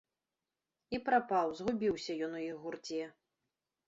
І прапаў, згубіўся ён у іх гурце.